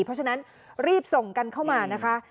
เพราะฉะนั้นรีบส่งกันเข้ามานะคะ